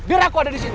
biar aku ada disini